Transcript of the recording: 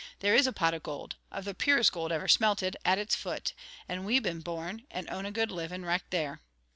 There is a pot of gold, of the purest gold ever smelted, at its foot, and we've been born, and own a good living richt there.